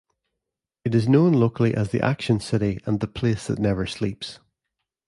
It is known locally as the action city and the place that never sleeps.